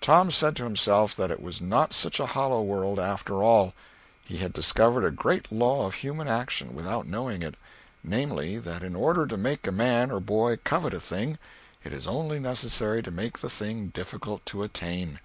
Tom said to himself that it was not such a hollow world, after all. He had discovered a great law of human action, without knowing it—namely, that in order to make a man or a boy covet a thing, it is only necessary to make the thing difficult to attain.